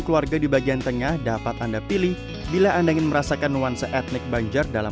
keluarga di bagian tengah dapat anda pilih bila anda ingin merasakan nuansa etnik banjar dalam